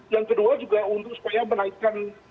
yang kedua juga untuk supaya menaikkan